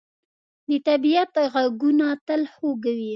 د طبیعت ږغونه تل خوږ وي.